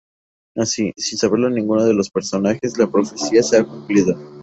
Así, sin saberlo ninguno de los personajes, la profecía se ha cumplido.